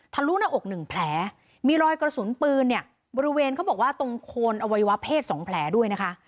ลุหน้าอกหนึ่งแผลมีรอยกระสุนปืนเนี่ยบริเวณเขาบอกว่าตรงโคนอวัยวะเพศ๒แผลด้วยนะคะ